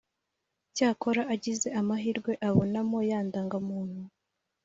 cyakora agize amahirwe abonamo ya ndangamuntu ,